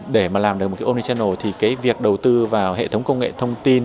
để mà làm được một cái onicanal thì cái việc đầu tư vào hệ thống công nghệ thông tin